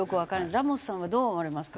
ラモスさんはどう思われますか？